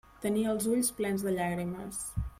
Tenia els ulls plens de llàgrimes.